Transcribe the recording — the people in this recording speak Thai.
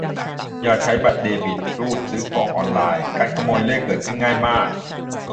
อย่าใช้บัตรเดบิตรูดซื้อของออนไลน์ การขโมยเลขเกิดขึ้นง่ายมาก